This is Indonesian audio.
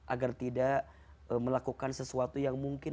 agar tidak melakukan sesuatu yang mungkin